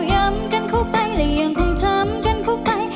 ย้ำกันเข้าไปและยังคงจำกันเข้าไป